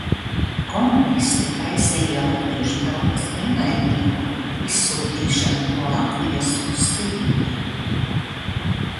"Komunisti taisīja latviešu tautas "ienaidnieku" izsūtīšanu no Latvijas uz Sibīriju."